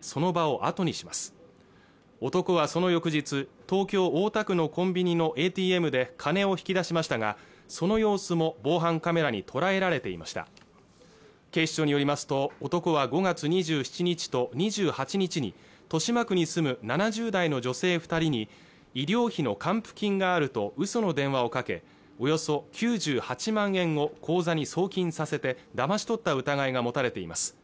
その場をあとにします男はその翌日東京・大田区のコンビニのＡＴＭで金を引き出しましたがその様子も防犯カメラに捉えられていました警視庁によりますと男は５月２７日と２８日に豊島区に住む７０代の女性二人に医療費の還付金があると嘘の電話をかけおよそ９８万円を口座に送金させてだまし取った疑いが持たれています